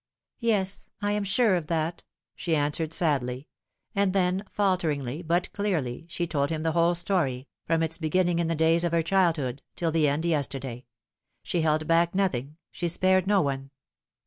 " Yes, I am sure of that," she answered sadly ; and then, falteringly but clearly, she told him the whole story, from its beginning in the days of her childhood till the end yesterday. She held back nothing, she spared no one.